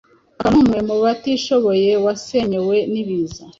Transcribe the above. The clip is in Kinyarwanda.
akaba n’umwe mubatishoboye wasenyewe n’ibiza,